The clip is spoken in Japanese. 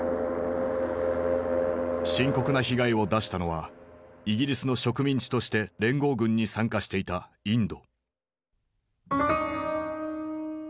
深刻な被害を出したのはイギリスの植民地として連合軍に参加していたインド。